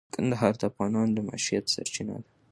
کندهار د افغانانو د معیشت سرچینه ده.